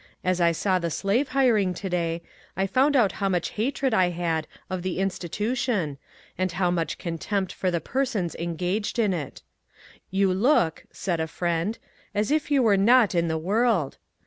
As I saw the slave hiring to day, I found out how much hatred I had of the in stitution — and how much contempt for the persons engaged in it. ^ You look," said a friend, ^^ as if you were not in the world."